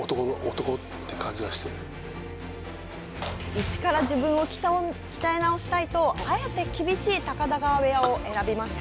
いちから自分を鍛え直したいとあえて厳しい高田川部屋を選びました。